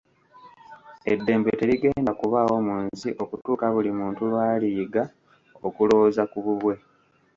Eddembe terigenda kubaawo mu nsi okutuuka buli muntu lw'aliyiga okulowooza ku bubwe.